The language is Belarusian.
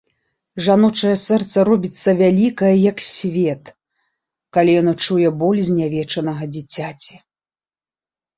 Жаночае сэрца робіцца вялікае, як свет, калі яно чуе боль знявечанага дзіцяці.